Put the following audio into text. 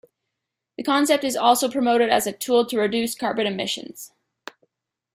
The concept is also promoted as a tool to reduce carbon emissions.